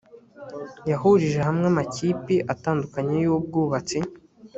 yahurije hamwe amakipi atandukanye y ubwubatsi